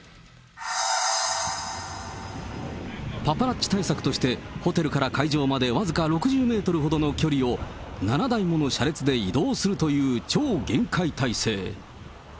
パパラッチ対策として、ホテルから会場まで僅か６０メートルほどの距離を、７台もの車列で移動するという超厳戒態勢。